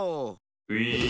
ウィーン。